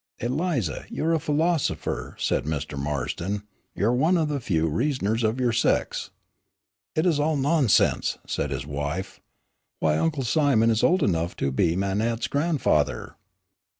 "Eliza, you're a philosopher," said Mr. Marston. "You're one of the few reasoners of your sex." "It is all nonsense," said his wife. "Why Uncle Simon is old enough to be Manette's grandfather."